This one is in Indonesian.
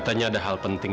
tak akan pernah